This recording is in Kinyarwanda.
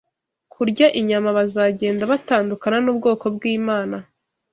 Kurya inyama bazagenda batandukana n’ubwoko bw’Imana